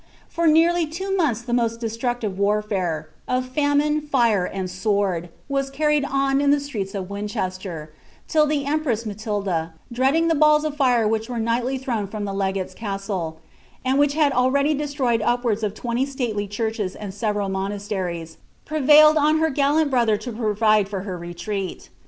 For nearly two months the most destructive warfare, of famine, fire, and sword, was carried ou in the streets of Winchester ; till the empress Matilda, dreading the balls of fire which were nightly thrown from the legate's castle, and which had already destroyed upwards of twenty stately churches and several mo nasteries, prevailed on her gallant brother to provide for her retreat.